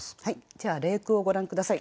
じゃあ例句をご覧下さい。